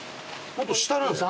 もっと下なんですか？